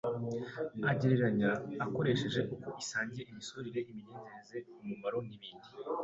agereranya akoresheje uko isangiye imisusire imigenzereze umumaro n’ibindi